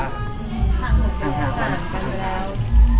ทางห่างกันแล้ว